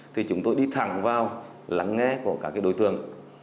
thì chúng tôi đi thẳng vào lắng nghe của các đối tượng